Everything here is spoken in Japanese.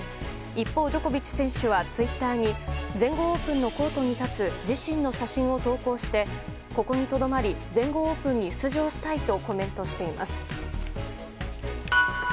一方、ジョコビッチ選手はツイッターに全豪オープンのコートに立つ自身の写真を投稿してここにとどまり全豪オープンに出場したいとコメントしています。